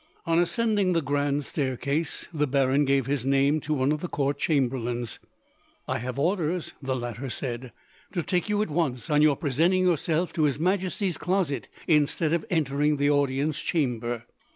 On ascending the grand staircase, the baron gave his name to one of the court chamberlains. "I have orders," the latter said, "to take you at once, on your presenting yourself, to His Majesty's closet, instead of entering the audience chamber."